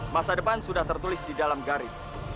masa depan sudah tertulis di dalam garis